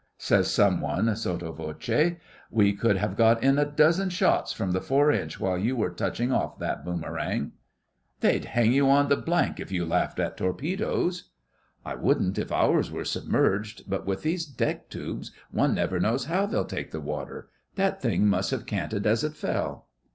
says some one sotto voce. 'We could have got in a dozen shots from the four inch while you were touching off that boomerang.' 'They'd hang you on the —— if you laughed at torpedoes.' 'I wouldn't if ours were submerged, but with these deck tubes one never knows how they'll take the water. That thing must have canted as it fell.